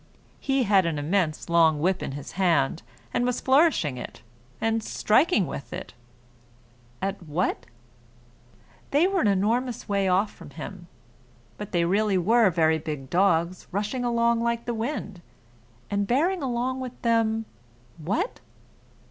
He had an immense long whip in his hand, and was flourishing it, and striking with it at what? They were an enormous way off from him, but they really were very big dogs, rushing along like the wind, and bearing along with them what?